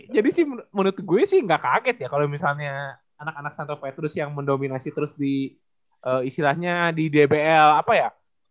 jadi sih menurut gue sih gak kaget ya kalau misalnya anak anak santo petrus yang mendominasi terus di isilahnya di dbl apa ya